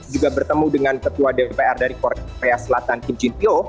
juga bertemu dengan ketua dpr dari korea selatan kim chin pyo